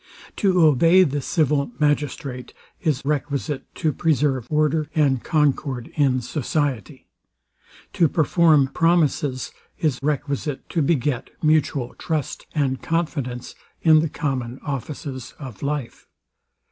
To obey the civil magistrate is requisite to preserve order and concord in society. To perform promises is requisite to beget mutual trust and confidence in the common offices of life.